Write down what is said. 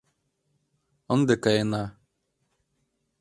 Ынде каена.